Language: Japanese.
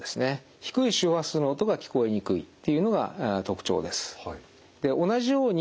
低い周波数の音が聞こえにくいっていうのが特徴です。